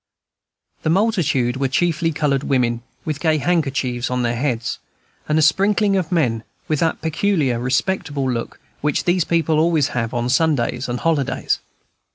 The multitude were chiefly colored women, with gay handkerchiefs on their heads, and a sprinkling of men, with that peculiarly respectable look which these people always have on Sundays and holidays.